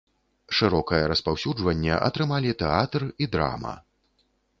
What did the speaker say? Шырокае распаўсюджванне атрымалі тэатр і драма.